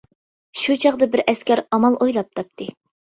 شۇ چاغدا بىر ئەسكەر ئامال ئويلاپ تاپتى.